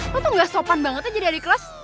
lo tuh gak sopan banget aja dari kelas